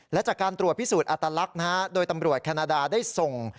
และจากการตรวจพิสูจน์อัตลักษณ์โดยตำรวจแคนาดาได้ส่ง